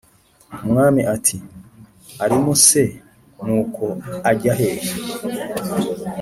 umwami ati"arimo se nuko ajyahehe?"